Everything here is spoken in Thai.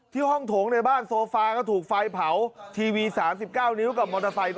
ที่ห้องโถงในบ้านโซฟาก็ถูกไฟเผาทีวีสามสิบเก้านิ้วกับมอนเทอร์ไฟ